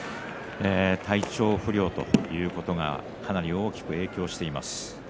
体調不良ということがかなり大きく影響しています。